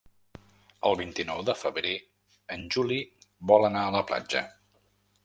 El vint-i-nou de febrer en Juli vol anar a la platja.